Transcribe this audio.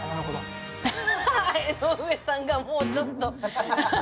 江上さんがもうちょっと。